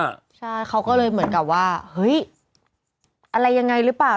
ใช่เขาก็เลยเหมือนกับว่าเฮ้ยอะไรยังไงหรือเปล่า